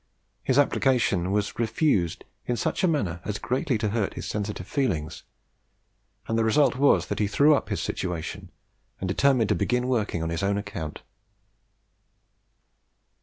His application was refused in such a manner as greatly to hurt his sensitive feelings; and the result was that he threw up his situation, and determined to begin working on his own account.